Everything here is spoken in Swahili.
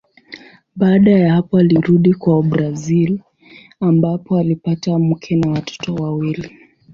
Baada ya hapo alirudi kwao Brazili ambapo alipata mke na watoto wawili.